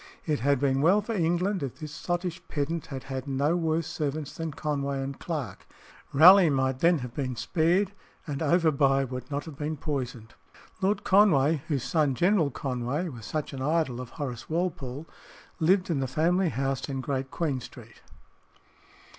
It had been well for England if this sottish pedant had had no worse servants than Conway and Clarke. Raleigh might then have been spared, and Overbuy would not have been poisoned. Lord Conway, whose son, General Conway, was such an idol of Horace Walpole, lived in the family house in Great Queen Street.